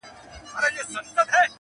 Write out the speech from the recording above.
پاچا او ګدا.!